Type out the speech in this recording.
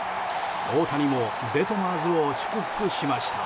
大谷もデトマーズを祝福しました。